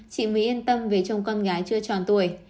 chị mới yên tâm vì chồng con gái chưa tròn tuổi